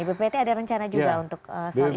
di bppt ada rencana juga untuk soal ini